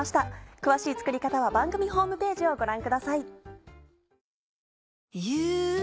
詳しい作り方は番組ホームページをご覧ください。